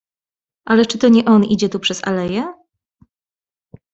"Ale czy to nie on idzie tu przez aleję?"